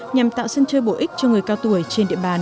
nhằm tạo sân chơi bổ ích cho người cao tuổi trên địa bàn